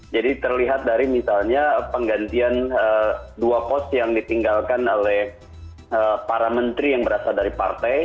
terlihat dari misalnya penggantian dua pos yang ditinggalkan oleh para menteri yang berasal dari partai